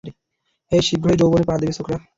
হেই, শীঘ্রই যৌবনে পা দেবে, ছোকরা।